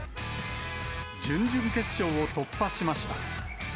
準々決勝を突破しました。